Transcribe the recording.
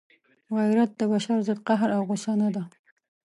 غیرت د بشر ضد قهر او غصه نه ده.